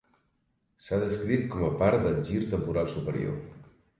S'ha descrit com a part del gir temporal superior.